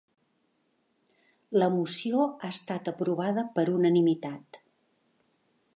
La moció ha estat aprovada per unanimitat.